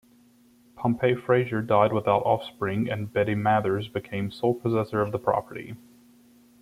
Pompey Frazier died without offspring and Betty Mathers became sole possessor of the property.